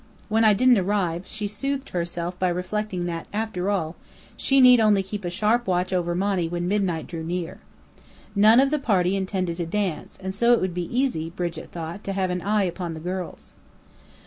When I didn't arrive, she soothed herself by reflecting that, after all, she need only keep a sharp watch over Monny when midnight drew near. None of the party intended to dance, and so it would be easy, Brigit thought, to "have an eye upon the girls."